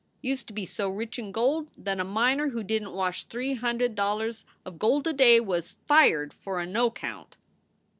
Used to be so rich in gold that a miner who didn t wash three hund ed dollars of gold a day was fired for a no count.